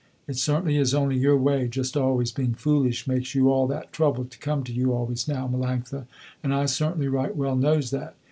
It certainly is only your way just always being foolish makes you all that trouble to come to you always now, Melanctha, and I certainly right well knows that.